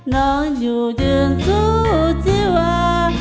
น้องอยู่จึงสู้ชีวา